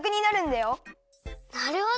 なるほど！